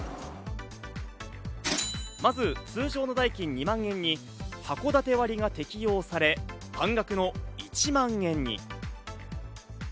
まず通常の代金に２万円にはこだて割が適用され半額の１万円に。